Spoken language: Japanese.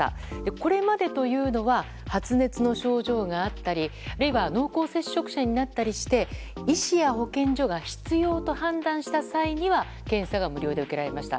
これまでというのは発熱の症状があったり濃厚接触者になったりして医師や保健所が必要と判断した際には検査が無料で受けられました。